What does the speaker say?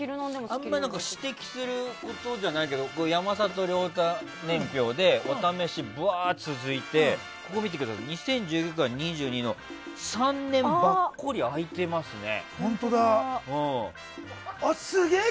あまり指摘することじゃないけど山里亮太年表でお試しが続いて２０１９から２２の３年、ばっこり空いてますね。